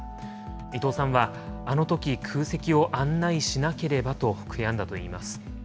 伊藤さんは、あのとき、空席を案内しなければと悔やんだといいます。